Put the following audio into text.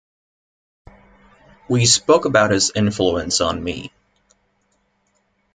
We spoke about his influence on me.